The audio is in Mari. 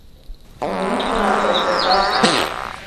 Молан тынар тый шортат?